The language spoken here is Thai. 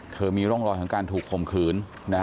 มีร่องรอยของการถูกข่มขืน